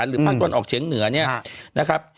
หรือภาคกรมออกเฉียงเหนือนี่นะครับ